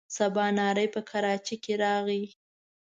سبا نهاری په کراچۍ کې راغی.